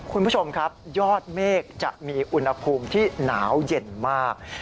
คุณผู้ชมครับยอดเมฆจะมีอุณหภูมิที่หนาวเย็นมาก